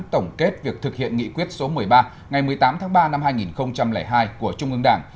tổng kết việc thực hiện nghị quyết số một mươi ba ngày một mươi tám tháng ba năm hai nghìn hai của trung ương đảng